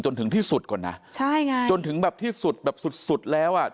จนถึงที่สุดก่อนนะใช่ไงจนถึงแบบที่สุดแบบสุดสุดแล้วอ่ะ